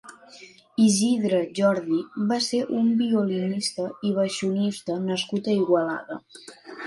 Isidre Jordi va ser un violinista i baixonista nascut a Igualada.